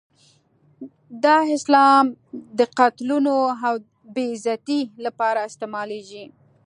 دا اسلام د قتلونو او بې عزتۍ لپاره استعمالېږي.